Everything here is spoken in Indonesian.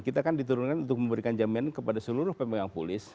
kita kan diturunkan untuk memberikan jaminan kepada seluruh pemegang polis